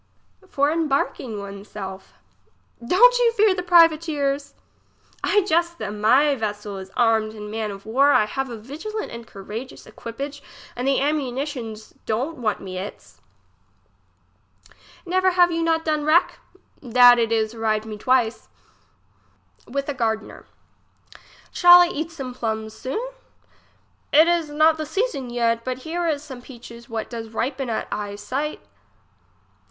For embarking one's self. Don't you fear the privateers ! I jest of them ; my vessel is armed in man of war, I have a vigilant and courageous equipage, and the ammunitions don't want me its. Never have you not done wreck? That it is arrived me twice. English as she is spoke. 43 IVith a gardener. Shall I eat some plums soon ? It is not the season yet; but here is some peaches what does ripen at the eye sight.